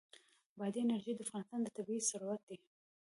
بادي انرژي د افغانستان طبعي ثروت دی.